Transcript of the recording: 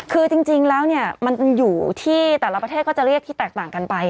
คือจริงแล้วเนี่ยมันอยู่ที่แต่ละประเทศก็จะเรียกที่แตกต่างกันไป